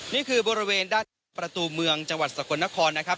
นี่คือบริเวณด้านประตูเมืองจังหวัดสกลนครนะครับ